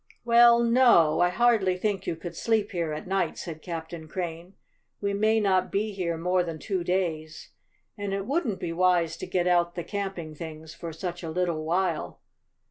"Well, no, I hardly think you could sleep here at night," said Captain Crane. "We may not be here more than two days, and it wouldn't be wise to get out the camping things for such a little while.